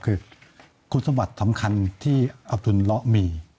คือคุณสบัดสำคัญที่อับดุล้อมี